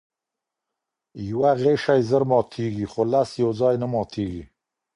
یوه غشی ژر ماتیږي، خو لس یوځای نه ماتیږي.